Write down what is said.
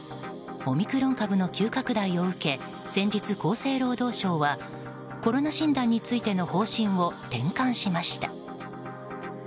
オミクロン株の急拡大を受け先日、厚生労働省はコロナ診断についての方針を転換しました。